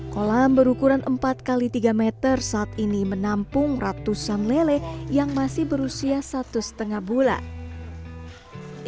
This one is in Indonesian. kolam berukuran empat x tiga meter saat ini menampung ratusan lele yang masih berusia satu lima bulan